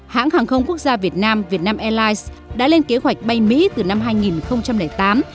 hãng hàng không quốc gia việt nam vietnam airlines đã lên kế hoạch bay mỹ từ năm hai nghìn tám